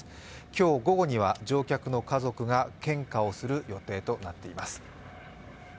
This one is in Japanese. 今日午後には乗客の家族が献花をする予定となっています。